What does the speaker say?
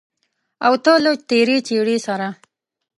او ته له تېرې چړې سره